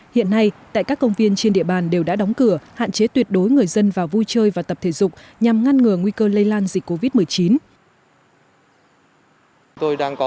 hiện nay tại các công viên trên địa bàn đều đã đóng cửa hạn chế tuyệt đối người dân vào vui chơi và tập thể dục nhằm ngăn ngừa nguy cơ lây lan dịch covid một mươi chín